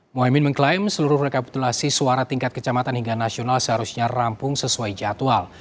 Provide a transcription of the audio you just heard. mohaimin mengklaim seluruh rekapitulasi suara tingkat kecamatan hingga nasional seharusnya rampung sesuai jadwal